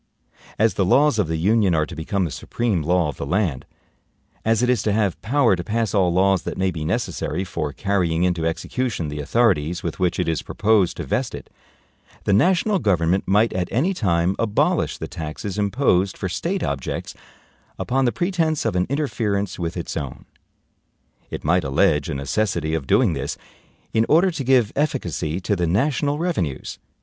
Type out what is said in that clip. As the laws of the Union are to become the supreme law of the land, as it is to have power to pass all laws that may be NECESSARY for carrying into execution the authorities with which it is proposed to vest it, the national government might at any time abolish the taxes imposed for State objects upon the pretense of an interference with its own. It might allege a necessity of doing this in order to give efficacy to the national revenues.